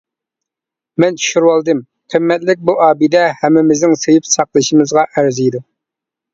مەن چۈشۈرۈۋالدىم، قىممەتلىك بۇ ئابىدە ھەممىمىزنىڭ سۆيۈپ ساقلىشىمىزغا ئەرزىيدۇ!